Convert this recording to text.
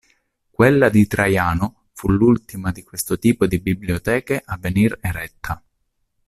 Quella di Traiano fu l'ultima di questo tipo di biblioteche a venir eretta.